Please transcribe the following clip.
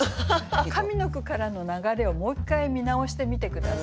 上の句からの流れをもう一回見直してみて下さい。